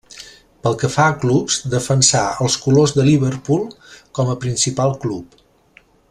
Pel que fa a clubs, defensà els colors de Liverpool com a principal club.